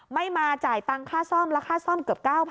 ไม่มาจ่ายตังค่าซ่อมและค่าซ่อมเกือบ๙๐๐